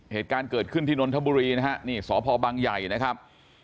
เหตุการณ์เกิดขึ้นที่นนทบุรีนะฮะนี่สพบังใหญ่นะครับ